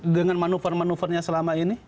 dengan manuver manuvernya selama ini